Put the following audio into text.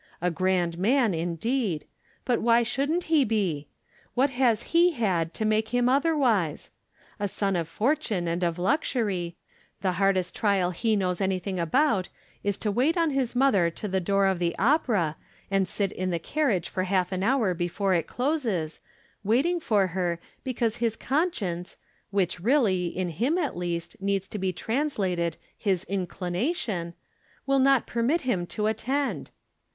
A grand man, in deed. But why shouldn't he be ? What has he had to make him otherwise ? A son of fortune and of luxury, the hardest trial he knows any thing about is to wait on his mother to the door of the opera, and sit in the carriage for half an hour before it closes, waiting for her, because his conscience, which really, in him at least, needs to be translated his inclination, will not permit him to attend.